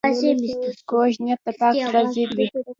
کوږ نیت د پاک زړه ضد وي